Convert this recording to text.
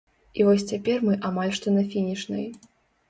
І вось цяпер мы амаль што на фінішнай.